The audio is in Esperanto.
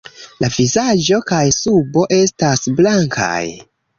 La vizaĝo kaj subo estas blankaj.